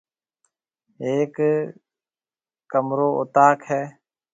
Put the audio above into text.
ھيَََڪ ڪمر اوطاق ھيََََ